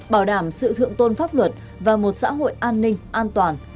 bảo đảm sự thượng tôn pháp luật và một xã hội an ninh an toàn